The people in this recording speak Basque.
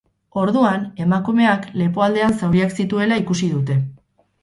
Orduan, emakumeak lepoaldean zauriak zituela ikusi dute.